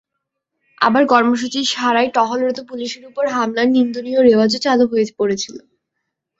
আবার কর্মসূচি ছাড়াই টহলরত পুলিশের ওপর হামলার নিন্দনীয় রেওয়াজও চালু হয়ে পড়েছিল।